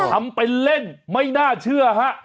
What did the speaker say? ทำเป็นเล่นไม่น่าเชื่อฮะ